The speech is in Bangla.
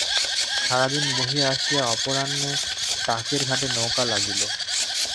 সারাদিন বাহিয়া আসিয়া অপরাহ্নে টাকীর ঘাটে নৌকা লাগিল।